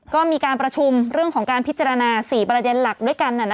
ก็มีการประชุมเรื่องของการพิจารณา๔ประเด็นหลักด้วยกัน